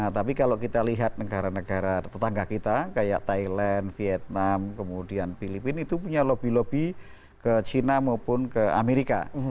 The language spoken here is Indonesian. tapi kalau kita lihat negara negara tetangga kita kayak thailand vietnam kemudian filipina itu punya lobby lobby ke china maupun ke amerika